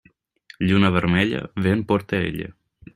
Lluna vermella, vent porta ella.